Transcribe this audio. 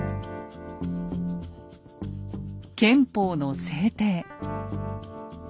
憲法の制定。